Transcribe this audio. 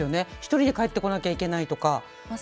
１人で帰ってこなきゃいけないとか。